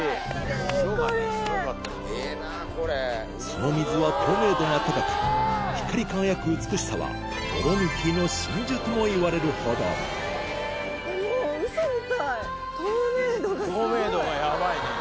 その水は透明度が高く光り輝く美しさは「ドロミティの真珠」ともいわれるほど透明度がヤバいね！